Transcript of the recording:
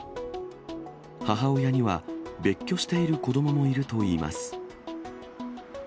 母親には、別居している子どももいるといいます。